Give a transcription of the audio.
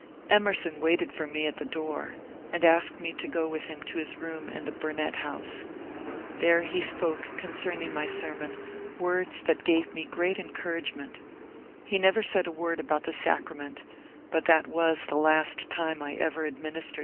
Emerson waited for me at the door, and asked me to go with him to his room in the Burnet House. There he spoke concerning my sermon words that gave me great encourage ment. He never said a word about the sacrament, but that was the last time I ever administered it.